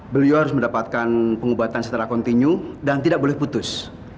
beliau harus mendapatkan pengobatan secara kontinu dan tidak boleh putus